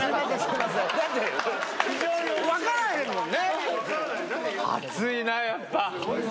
だって、分からへんもんね。